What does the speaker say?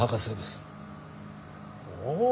お！